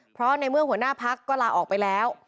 เพราะในเมื่อหัวหน้าพักก็ลาออกไปแล้ว